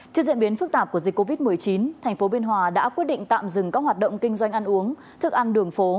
trước diễn biến phức tạp của dịch covid một mươi chín thành phố biên hòa đã quyết định tạm dừng các hoạt động kinh doanh ăn uống thức ăn đường phố